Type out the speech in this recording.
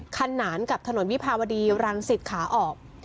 ขนานกับถนนวิภาวดีรังสิตขาออก